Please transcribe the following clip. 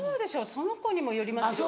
その子にもよりますけど。